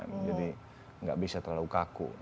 jadi tidak bisa terlalu kaku